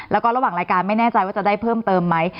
แล้วก็ระหว่างรายการไม่แน่ใจว่าจะได้เพิ่มเติมไหม